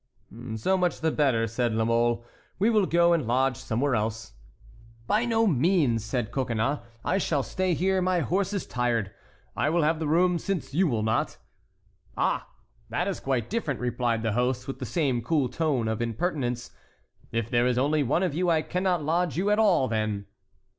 "So much the better," said La Mole; "we will go and lodge somewhere else." "By no means," said Coconnas, "I shall stay here; my horse is tired. I will have the room, since you will not." "Ah! that is quite different," replied the host, with the same cool tone of impertinence. "If there is only one of you I cannot lodge you at all, then."